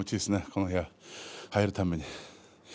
この部屋は入るたびに。